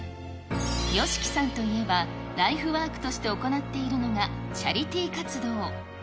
ＹＯＳＨＩＫＩさんといえば、ライフワークとして行っているのが、チャリティー活動。